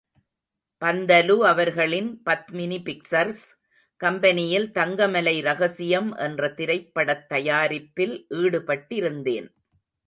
பந்தலு அவர்களின் பத்மினி பிக்சர்ஸ் கம்பெனியில் தங்கமலை ரகசியம் என்ற திரைப்படத் தயாரிப்பில் ஈடுபட்டிருந்தேன்.